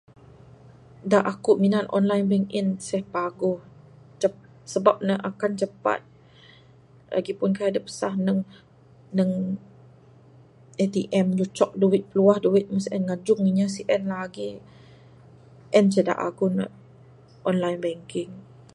Da aku minan online bank in sien paguh cep...sabab ne akan cepat lagipun kaii adep sah neg...neg ATM nyucok duit piluah duit mbuh sien ngajung inya sien lagik...en ceh da aguh ne online bank in.